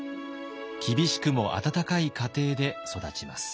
厳しくも温かい家庭で育ちます。